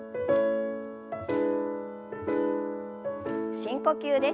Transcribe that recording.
深呼吸です。